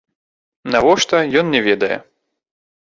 Навошта, ён не ведае.